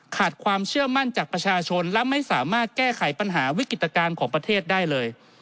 ความเชื่อมั่นจากประชาชนและไม่สามารถแก้ไขปัญหาวิกฤตการณ์ของประเทศได้เลย